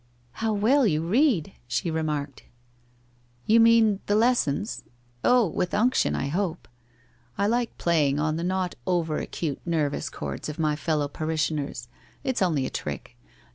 ' How well you read !' she remarked. WHITE ROSE OF WEARY LEAP 63 ' You mean the Lessons ? Oh, with unction, I hope. I like playing on the not over acute nervous chords of my fellow parishioners. It's only a trick.